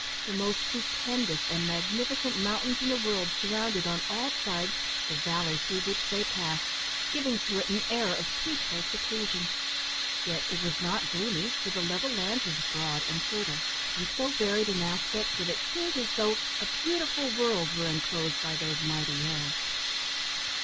The most stupendous and magnificent mountains in the world surrounded, on all sides, the valley through which they passed, giving to it an air of peaceful seclusion; yet it was not gloomy, for the level land was broad and fertile, and so varied in aspect that it seemed as though a beautiful world were enclosed by those mighty hills.